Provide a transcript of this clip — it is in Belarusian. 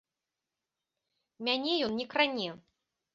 Мяне ён не кране.